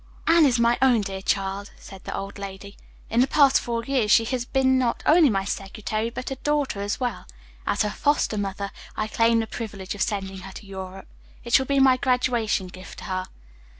"Anne is my own dear child," said the old lady. "In the past four years she has been not only my secretary, but a daughter as well. As her foster mother, I claim the privilege of sending her to Europe. It shall be my graduation gift to her."